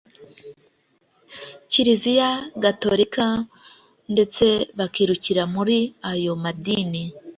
Kiliziya Gatolika ndeste bakirukira muri ayo madini